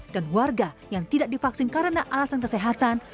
dan warga yang tidak divaksin karena alasan kesehatan